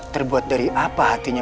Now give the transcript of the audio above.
terbuat dari apa hatinya